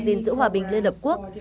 gìn giữ hòa bình liên hợp quốc